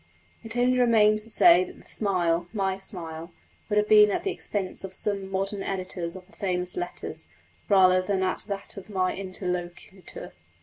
It only remains to say that the smile (my smile) would have been at the expense of some modern editors of the famous Letters, rather than at that of my interlocutor.